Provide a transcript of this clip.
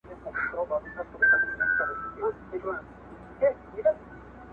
ته به یې او زه به نه یم -